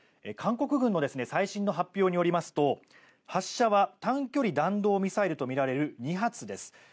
韓国軍の最新の発表によりますと発射は短距離弾道ミサイルとみられる２発です。